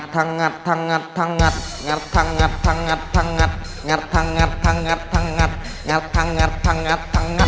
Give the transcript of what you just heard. ทั้งงัดทั้งงัดทั้งงัด